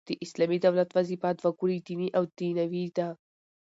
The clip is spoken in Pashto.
د اسلامي دولت وظیفه دوه ګونې دیني او دنیوې ده.